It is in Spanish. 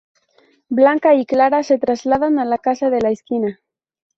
Blanca y Clara se trasladan a la Casa de la Esquina.